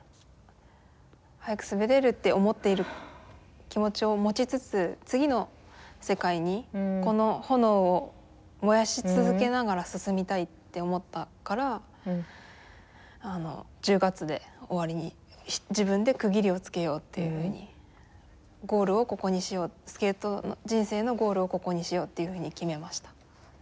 速く滑れるって思っている気持ちを持ちつつ次の世界にこの炎を燃やし続けながら進みたいって思ったから１０月で終わりに自分で区切りをつけようっていうふうにゴールをここにしようスケート人生のゴールをここにしようっていうふうに決めました。